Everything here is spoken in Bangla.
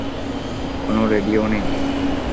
কোন রেডিও নেই!